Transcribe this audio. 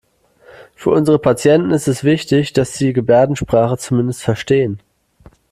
Für unsere Patienten ist es wichtig, dass Sie Gebärdensprache zumindest verstehen.